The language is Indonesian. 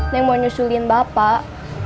neng mau nyusulin bapak